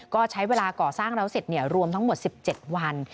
ก็ใช้เวลาก่อสร้างแล้วเสร็จรวมทั้งหมด๑๗วัน